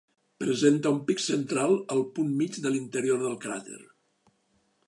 Presenta un pic central al punt mig de l'interior del cràter.